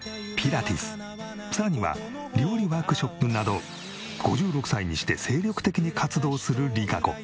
さらには料理ワークショップなど５６歳にして精力的に活動するＲＩＫＡＣＯ。